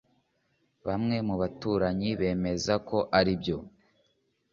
bamwe mu baturanyi bemeza ko aribyo